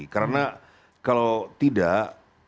karena kalau tidak